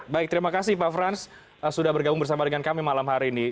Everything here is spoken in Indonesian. baik terima kasih pak frans sudah bergabung bersama dengan kami malam hari ini